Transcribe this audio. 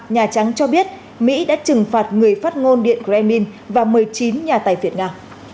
nhà trắng cho biết mỹ đã trừng phạt người phát ngôn điện kremlin và một mươi chín nhà tài việt nga